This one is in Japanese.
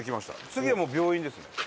次はもう病院ですね。